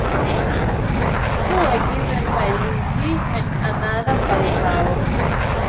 Two were given by Livy, and another by Varro.